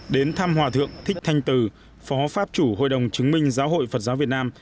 đến thăm hòa thượng thích thanh từ phó pháp chủ hội đồng chứng minh giáo hội phật giáo việt nam